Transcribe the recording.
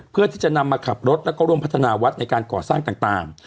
เพื่อที่จะนำมาขับรถแล้วก็ร่วมพัฒนาวัดในการก่อสร้างต่าง